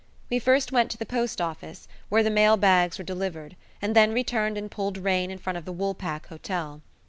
We first went to the post office, where the mail bags were delivered, and then returned and pulled rein in front of the Woolpack Hotel.